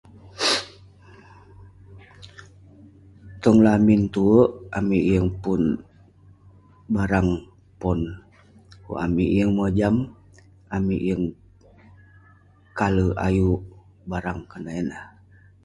Tong lamin tue amik yeng pun barang pon. Kuk amik yeng mojam, amik yeng kale ayuk barang konak ineh.